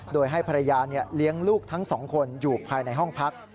โดยให้ภรรยาเลี้ยงลูกทั้งสองคนอยู่ภายในห้องพัก